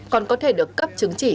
còn có thể được cấp chứng chỉ